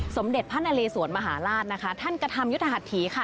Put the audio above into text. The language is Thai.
สมเด็จพระนเลสวนมหาราชนะคะท่านกระทำยุทธหัสถีค่ะ